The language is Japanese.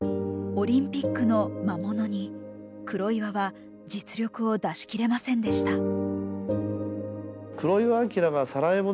オリンピックの魔物に黒岩は実力を出し切れませんでした。